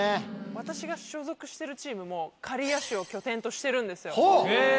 私が所属してるチームも刈谷市を拠点としてるんですよ。